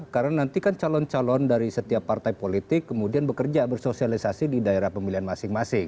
karena nanti kan calon calon dari setiap partai politik kemudian bekerja bersosialisasi di daerah pemilihan masing masing